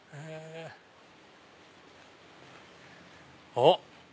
あっ！